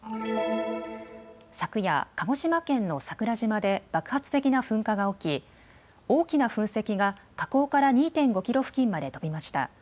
昨夜、鹿児島県の桜島で爆発的な噴火が起き大きな噴石が火口から２．５キロ付近まで飛びました。